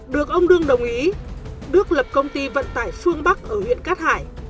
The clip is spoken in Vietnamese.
được ông đương đồng ý đức lập công ty vận tải phương bắc ở huyện cát hải